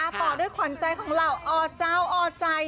ต่อโดยความใจของเราอ๋อจ๊าวอ๋อใจ